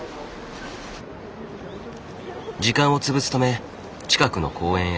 時間を潰すため近くの公園へ。